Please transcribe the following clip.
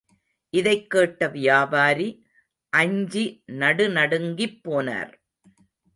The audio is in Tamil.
இதைக் கேட்ட வியாபாரி அஞ்சி நடுநடுங்கிப் போனார்.